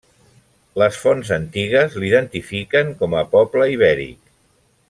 Les fonts antigues l'identifiquen com a poble ibèric.